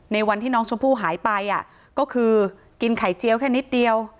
วันที่น้องชมพู่หายไปก็คือกินไข่เจี๊ยวแค่นิดเดียว